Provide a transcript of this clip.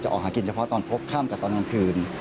ออกหากินเฉพาะตอนพบค่ำกับตอนกลางคืน